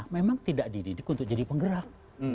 memang tidak dididik untuk jadi penggerak